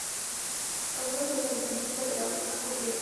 Algunos de los avistamientos alegados nunca ocurrieron.